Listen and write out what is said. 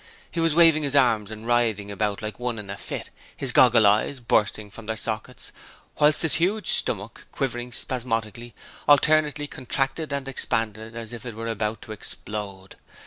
He was waving his arms and writhing about like one in a fit, his goggle eyes bursting from their sockets, whilst his huge stomach quivering spasmodically, alternately contracted and expanded as if it were about to explode.